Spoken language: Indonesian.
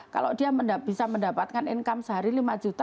kalau dia bisa mendapatkan income sehari lima juta